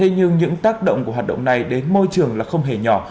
nhưng những tác động của hoạt động này đến môi trường là không hề nhỏ